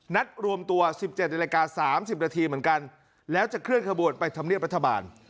นัดรวมตัวสิบเจ็ดในรายการสามสิบนาทีเหมือนกันแล้วจะเคลื่อนขบวนไปทำเนียบรัฐบาล